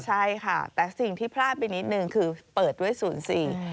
ใช่ค่ะแต่สิ่งที่พลาดไปนิดนึงคือเปิดด้วยศูนย์สี่